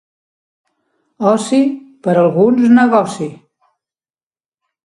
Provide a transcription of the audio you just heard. Oci, per alguns, negoci.